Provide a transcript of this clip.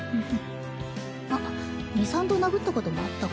あっ二三度殴ったこともあったか。